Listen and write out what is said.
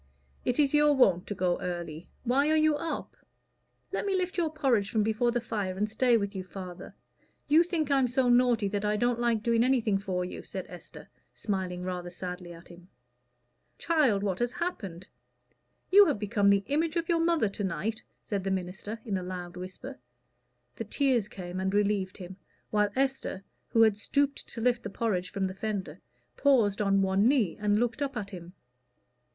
"It is your wont to go early. Why are you up?" "Let me lift your porridge from before the fire, and stay with you, father. You think I'm so naughty that I don't like doing anything for you," said Esther, smiling rather sadly at him. "Child, what has happened? You have become the image of your mother to night," said the minister, in a loud whisper. The tears came and relieved him while Esther, who had stooped to lift the porridge from the fender, paused on one knee and looked up at him.